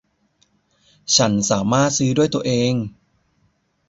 ฉันสามารถซื้อด้วยตัวเอง